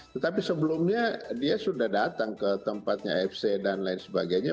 tetapi sebelumnya dia sudah datang ke tempatnya afc dan lain sebagainya